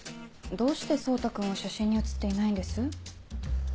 どうして蒼汰君は写真に写っていないんです？